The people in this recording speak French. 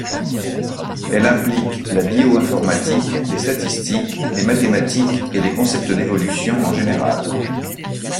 Elle implique la bioinformatique, les statistiques, les mathématiques et les concepts d'évolution en général.